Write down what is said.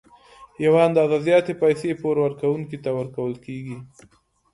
یوه اندازه زیاتې پیسې پور ورکوونکي ته ورکول کېږي